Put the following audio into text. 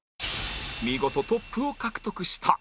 見事トップを獲得した